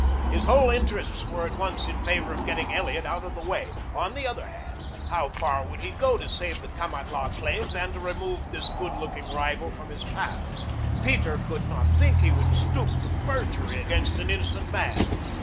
His whole interests were at one in favor of getting Elliot out of the way. On the other hand how far would he go to save the Kamatlah claims and to remove this good looking rival from his path? Peter could not think he would stoop to perjury against an innocent man.